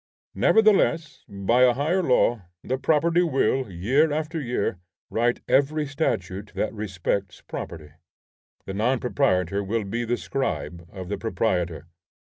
Nevertheless, by a higher law, the property will, year after year, write every statute that respects property. The non proprietor will be the scribe of the proprietor.